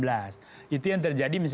jadi pernyataan itu terjadi di sana